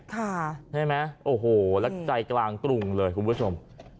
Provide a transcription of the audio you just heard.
ใช่ไหมโอ้โหแล้วใจกลางกรุงเลยคุณผู้ชม